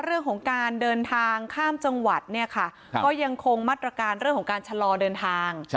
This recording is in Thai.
เรื่องของการเดินทางข้ามจังหวัดเนี่ยค่ะก็ยังคงมาตรการเรื่องของการชะลอเดินทาง